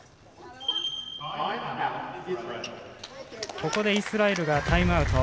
ここでイスラエルがタイムアウト。